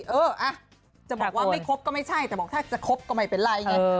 เออจะบอกว่าไม่ครบก็ไม่ใช่แต่บอกถ้าจะคบก็ไม่เป็นไรไง